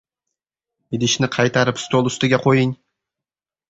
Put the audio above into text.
– Idishni qaytarib stol ustiga qoʻying!